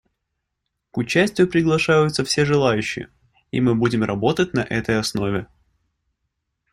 К участию приглашаются все желающие, и мы будем работать на этой основе.